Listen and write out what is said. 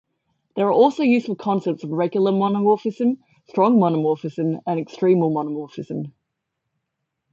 There are also useful concepts of regular monomorphism, strong monomorphism, and extremal monomorphism.